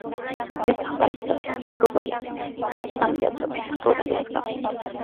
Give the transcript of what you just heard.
¿Pitaq pukutaypis, rupaypis, tamyatapis rurallashqa?